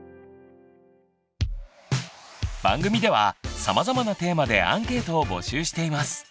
番組ではさまざまなテーマでアンケートを募集しています。